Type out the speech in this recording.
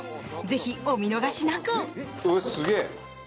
ぜひお見逃しなく！